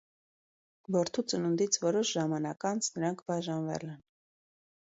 Որդու ծնունդից որոշ ժամանակ անց նրանք բաժանվել են։